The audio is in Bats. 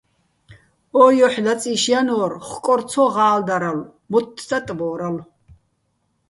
ო ჲოჰ̦ ლაწი́შ ჲანო́რ, ხკორ ცო ღა́ლდარალო̆, მოთთ ტატბო́რალო̆.